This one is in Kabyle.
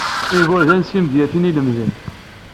Igerdan s imedyaten i lemmden.